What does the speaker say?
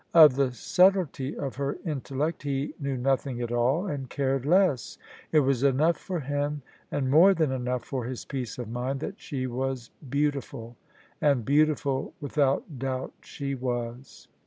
Of the subtlety of her intellect he knew noth ing at all, and cared less : it was enough for him, and more than enough for his peace of mind, that she wa!^ beautiful: and beautiful without doubt she was.